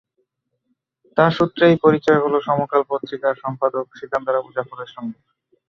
তাঁর সূত্রেই পরিচয় হলো সমকাল পত্রিকার সম্পাদক সিকান্দার আবু জাফরের সঙ্গে।